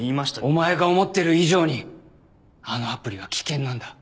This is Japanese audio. お前が思ってる以上にあのアプリは危険なんだ。